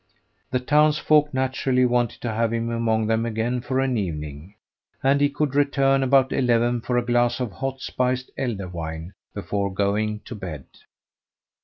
The townsfolk naturally wanted to have him among them again for an evening, and he could return about eleven for a glass of hot spiced elder wine before going to bed.